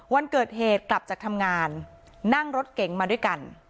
วันเกิดเหตุกลับจากทำงานนั่งรถเก๋งมาด้วยกัน